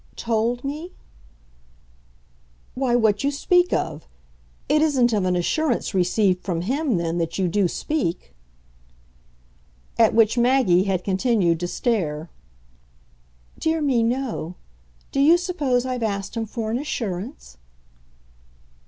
"'Told' me ?" "Why, what you speak of. It isn't of an assurance received from him then that you do speak?" At which Maggie had continued to stare. "Dear me, no. Do you suppose I've asked him for an assurance?"